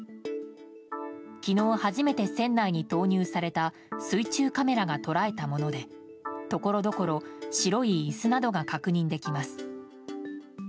昨日、初めて船内に投入された水中カメラが捉えたものでところどころ白い椅子などが確認できます。